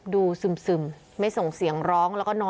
ดูซึมไม่ส่งเสียงร้อง